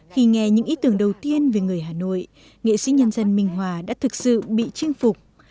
khi nghe những ý tưởng đầu tiên về người hà nội nghệ sĩ nhân dân minh hòa đã thực sự bị chinh phục